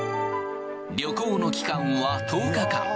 旅行の期間は１０日間。